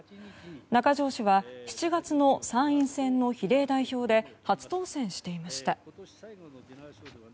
中条氏は７月の参院選の比例代表で初当選していました。